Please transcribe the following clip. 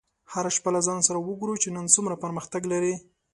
هره شپه له ځان سره وګوره چې نن څومره پرمختګ لرې.